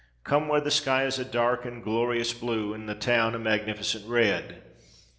Come where the sky is a dark and glorious blue and the town a magnificent red.